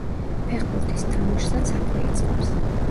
ფეხბურთის თამაშსაც აქვე იწყებს.